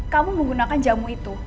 kamu menggunakan jamu itu